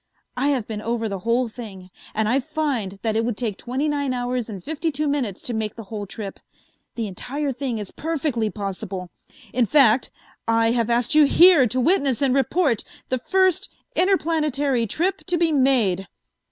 I have been over the whole thing and I find that it would take twenty nine hours and fifty two minutes to make the whole trip. The entire thing is perfectly possible. In fact, I have asked you here to witness and report the first interplanetary trip to be made."